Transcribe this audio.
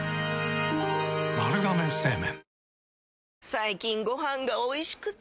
最近ご飯がおいしくて！